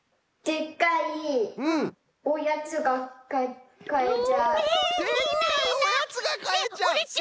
でっかいおやつがかえちゃう！